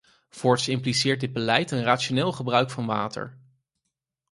Voorts impliceert dit beleid een rationeel gebruik van water.